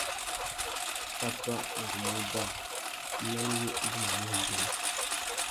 Pápá, ngu mú uba ; nán wu ngu mà mù wundzéna.